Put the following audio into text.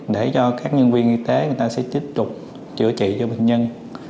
để cho các nhân viên y tế người ta sẽ tiếp tục chữa trị cho bệnh nhân